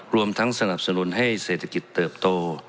รวมทั้งสนับสนุนให้เศรษฐกิจเติบโต